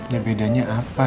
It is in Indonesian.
ya bedanya apa